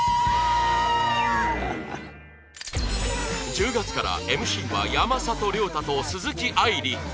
１０月から ＭＣ は山里亮太と鈴木愛理